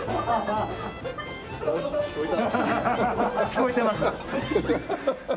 聞こえてます。